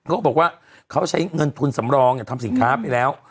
เขาบอกว่าเขาใช้เงินทุนสำรองทำสินค้าไปแล้ว